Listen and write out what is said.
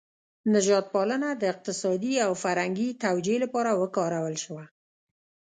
نژاد پالنه د اقتصادي او فرهنګي توجیه لپاره وکارول شوه.